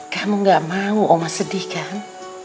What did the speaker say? kamu gak mau oma sedihkan